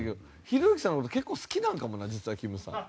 ひろゆきさんの事結構好きなんかもな実はきむさん。